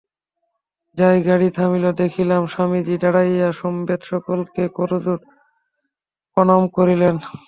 যাই গাড়ী থামিল, দেখিলাম স্বামীজী দাঁড়াইয়া সমবেত সকলকে করজোড়ে প্রণাম করিলেন।